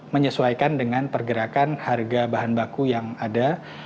menyesuaikan dengan pergerakan harga bahan baku yang ada